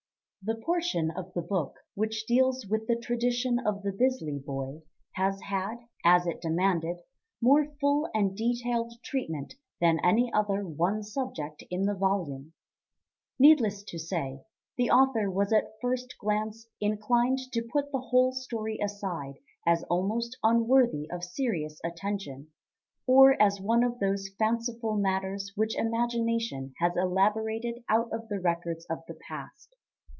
The portion of the book which deals with the tradition of the "Bisley Boy" has had, as it demanded, more full and detailed treatment than any other one subject in the volume. Needless to say, the author was at first glance inclined to put the whole story aside as almost unworthy of serious attention, or as one of those fanciful matters which imagination has elaborated out of the records of the past.